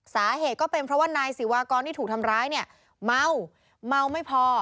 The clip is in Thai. สาเหตุก็เป็นเพราะว่านายศิวากรที่ถูกทำร้ายเนี่ยเมาเมาไม่พอ